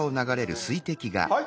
はい！